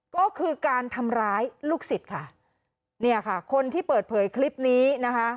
ก็คือการทำร้ายลูกศิษย์ค่ะเนี่ยค่ะคนที่เปิดเผยคลิปนี้นะคะ